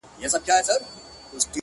ښاا ځې نو;